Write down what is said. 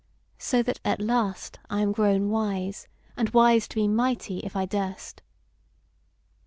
. so that at last I am grown wise, and wise to be mighty if I durst.